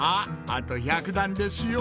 あと１００段ですよ